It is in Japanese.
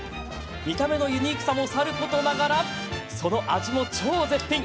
見た目のユニークさもさることながらその味も超絶品！